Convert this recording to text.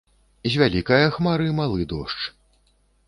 З вялікае хмары малы дождж